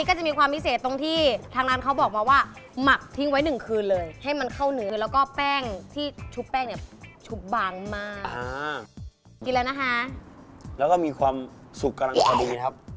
ก็มีความสุกกำลังขอดีนะครับ